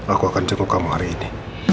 aku akan cukup kamu hari ini